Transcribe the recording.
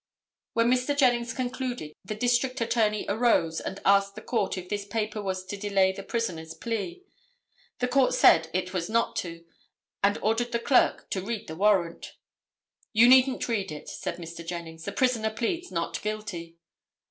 When Mr. Jennings concluded the District Attorney arose and asked the Court if this paper was to delay the prisoner's plea. The Court said it was not to, and ordered the Clerk, to read the warrant. "You needn't read it," said Mr. Jennings, "the prisoner pleads not guilty."